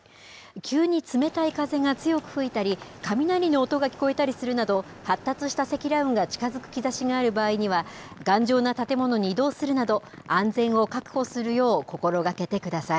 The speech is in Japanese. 急に冷たい風が強く吹いたり、雷の音が聞こえたりするなど、発達した積乱雲が近づく兆しがある場合には、頑丈な建物に移動するなど、安全を確保するよう心がけてください。